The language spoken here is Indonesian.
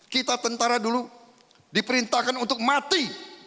kita tentara dulu diperintahkan untuk mati